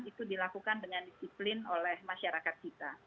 itu dilakukan dengan disiplin oleh masyarakat kita